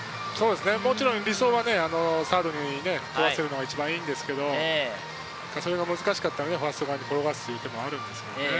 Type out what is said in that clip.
もちろん理想は３塁に転がせるのが一番いいんですけど、それが難しかったらファースト側に転がすという手もあるんですけどね。